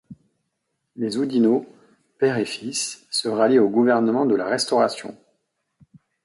Les Oudinot père et fils se rallient au gouvernement de la Restauration.